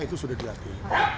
itu sudah di hati